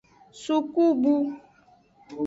Sukubu.